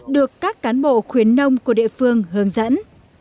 được các cán bộ khuyến nông của địa phương hướng dẫn